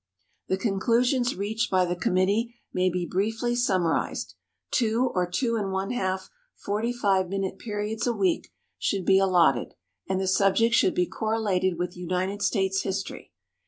The conclusions reached by the committee may be briefly summarized. Two or two and one half forty five minute periods a week should be allotted, and the subject should be correlated with United States history.